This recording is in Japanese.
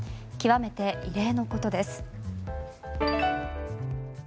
極めて異例のことです。